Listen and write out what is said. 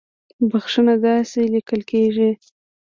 بخښنه داسې ليکل کېږي